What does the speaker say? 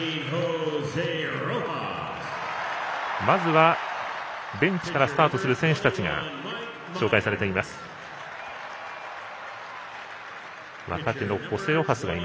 まずはベンチからスタートする選手たちが紹介されています。